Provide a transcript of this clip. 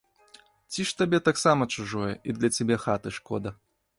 Ці ж табе таксама чужое і для цябе хаты шкода?